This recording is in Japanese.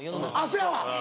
そうやわ。